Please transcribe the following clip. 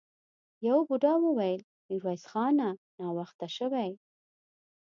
يوه بوډا وويل: ميرويس خانه! ناوخته شوې!